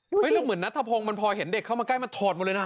หงีที่น่าผงมันพอเห็นเด็กเข้ามาใกล้มันถอดหมดเลยนะ